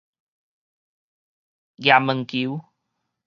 鵝毛球